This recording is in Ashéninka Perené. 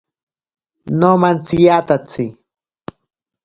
Nomantsiyatatsi.